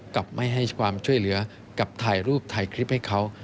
กับไม่ให้ความช่วยเหลือกับถ่ายรูปถ่ายคลิปให้เขา